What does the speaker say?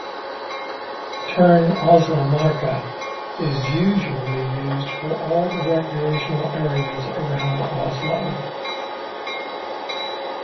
The term Oslomarka is usually used for all the recreational areas around Oslo.